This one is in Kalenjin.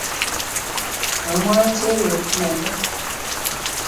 Mamwae Chebet imanda